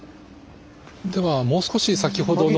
ではもう少し先ほどの。